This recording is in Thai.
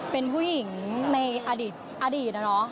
เป็นผู้หญิงในอดีตอดีตนะเนาะ